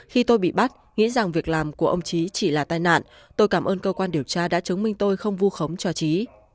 khi tôi bị bắt nghĩ rằng việc làm của ông chí chỉ là tai nạn tôi cảm ơn cơ quan điều tra đã chứng minh tôi không vu khống cho trí